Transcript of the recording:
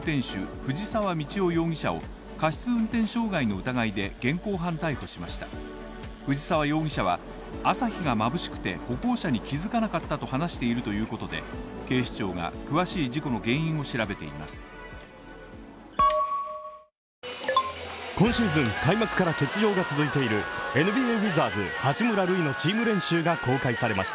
藤沢容疑者は、朝日が眩しくて歩行者に気付かなかったと話しているということで、警視庁が詳しい事故の原因を調べています。